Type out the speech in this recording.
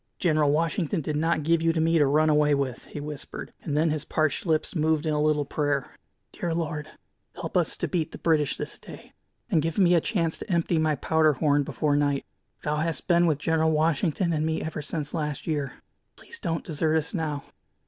"General Washington did not give you to me to run away with," he whispered; and then his parched lips moved in a little prayer: "Dear Lord, help us to beat the British this day, and give me a chance to empty my powder horn before night. Thou hast been with General Washington and me ever since last year. Please don't desert us now."